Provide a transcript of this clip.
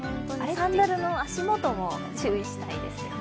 サンダルの足元も注意したいですよね。